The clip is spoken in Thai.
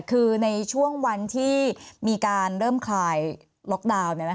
คือในช่วงวันที่มีการเริ่มคลายล็อกดาวน์